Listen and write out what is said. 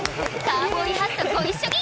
カウボーイハット、ご一緒に！